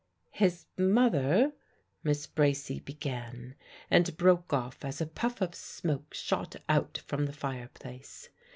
"His mother " Miss Bracy began, and broke off as a puff of smoke shot out from the fireplace.